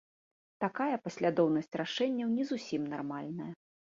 Такая паслядоўнасць рашэнняў не зусім нармальная.